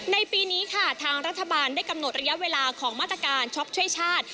ปีนี้ค่ะทางรัฐบาลได้กำหนดระยะเวลาของมาตรการช็อปช่วยชาติ